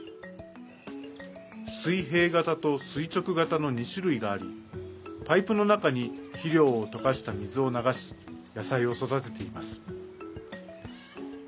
水平型と垂直型の２種類がありパイプの中に肥料を溶かした水を流し野菜を育てています。